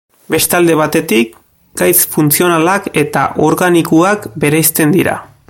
Beste alde batetik gaitz funtzionalak eta organikoak bereizten dira.